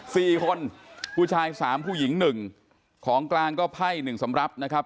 สี่คนผู้ชายสามผู้หญิงหนึ่งของกลางก็ไพ่หนึ่งสำหรับนะครับ